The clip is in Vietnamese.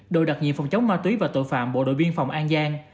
đội đặc nhiệm phòng chống ma túy và tội phạm bộ đội biên phòng an giang